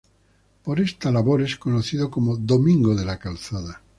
Por esta labor es conocido como "Domingo de la calzada".